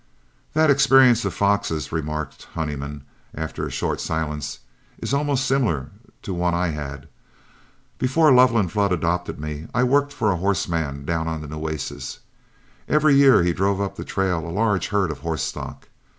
"That experience of Fox's," remarked Honeyman, after a short silence, "is almost similar to one I had. Before Lovell and Flood adopted me, I worked for a horse man down on the Nueces. Every year he drove up the trail a large herd of horse stock.